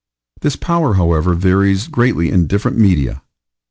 This power, however, varies greatly in different media.